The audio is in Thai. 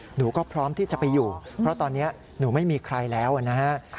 หนูก็พร้อมที่จะไปอยู่เพราะตอนนี้หนูไม่มีใครแล้วนะฮะ